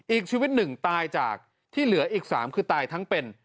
อีกชีวิตหนึ่งตายจากที่เหลืออีก๓คือตายทั้งเป็น